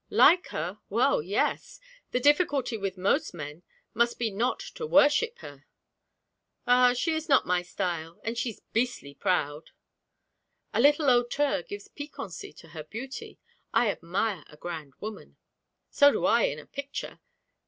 'Like her! well, yes. The difficulty with most men must be not to worship her.' 'Ah, she's not my style. And she's beastly proud.' 'A little hauteur gives piquancy to her beauty; I admire a grand woman.' 'So do I in a picture.